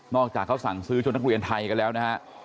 อกจากเขาสั่งซื้อชุดนักเรียนไทยกันแล้วนะฮะ